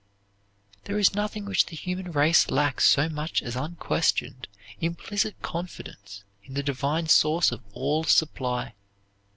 There is nothing which the human race lacks so much as unquestioned, implicit confidence in the divine source of all supply.